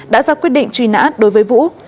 đã ra quyết định truy nã đối với vũ